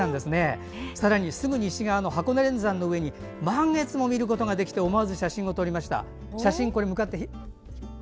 さらにすぐ西側、箱根連山の上に満月を見ることができて思わず写真を撮りました。